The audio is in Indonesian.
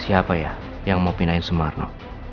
siapa ya yang mau pindahin sumarno